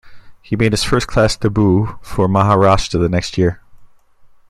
He made his first-class debut for Maharashtra the next year.